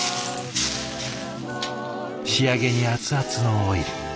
仕上げに熱々のオイル。